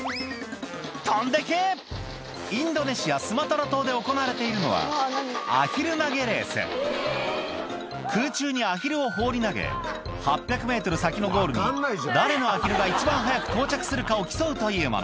飛んでけ！」で行われているのはアヒル投げレース空中にアヒルを放り投げ８００ｍ先のゴールに誰のアヒルが一番早く到着するかを競うというもの